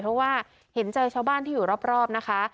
เพราะว่าเห็นเจอชาวบ้านที่อยู่รอบนะคะ